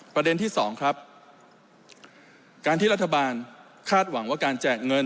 ประเด็นที่สองครับการที่รัฐบาลคาดหวังว่าการแจกเงิน